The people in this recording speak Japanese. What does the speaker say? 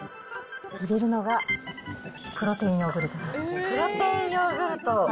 入れるのが、プロテインヨーグルト？